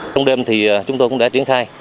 trong đêm thì chúng tôi cũng đã triển khai